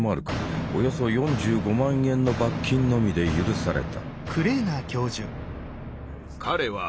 およそ４５万円の罰金のみで許された。